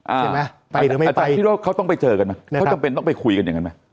ใช่ไหมอาจารย์คิดว่าเขาต้องไปเจอกันไหมเขาจำเป็นต้องไปคุยกันอย่างนั้นไหม